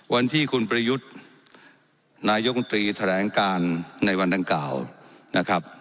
วันที่คุณประยุทธ์นายกรรมตรีแถลงการในวันดังกล่าวนะครับ